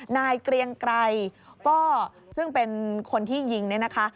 นายเกรียงไกรก็ซึ่งเป็นคนที่ยิงเนี่ยนะคะ